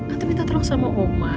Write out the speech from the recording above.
atau minta tolong sama oma